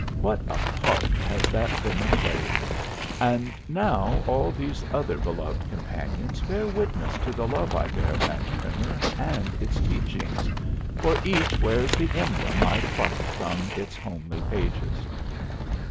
What a part has that Primer played! And now all these other beloved companions bear witness to the love I bear that Primer and its teachings, for each wears the emblem I plucked from its homely pages.